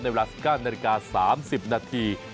เวลา๑๙นาฬิกา๓๐นาที